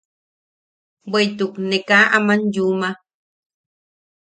Bweʼituk ne kaa aman yuuma.